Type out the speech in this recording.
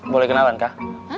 boleh kenalan kak